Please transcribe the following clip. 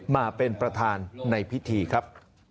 มาเป็นประธานในพิธีครับ